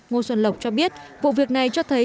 ngô xuân lộc cho biết vụ việc này cho thấy